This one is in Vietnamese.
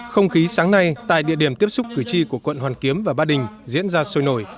không khí sáng nay tại địa điểm tiếp xúc cử tri của quận hoàn kiếm và ba đình diễn ra sôi nổi